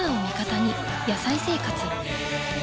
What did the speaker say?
「野菜生活」